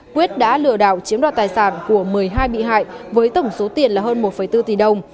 quyết đã lừa đảo chiếm đoạt tài sản của một mươi hai bị hại với tổng số tiền là hơn một bốn tỷ đồng